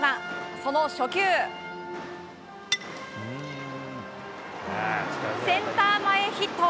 その初球センター前ヒット。